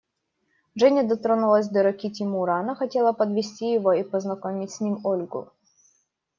Женя дотронулась до руки Тимура: она хотела подвести его и познакомить с ним Ольгу.